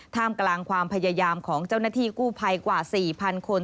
ท่ามกลางความพยายามของเจ้าหน้าที่กู้ภัยกว่า๔๐๐คน